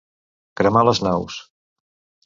Cremar les naus.